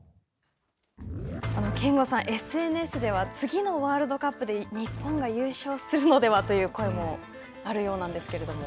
憲剛さん、ＳＮＳでは、次のワールドカップで、日本が優勝するのではという、声もあるようなんですけれども。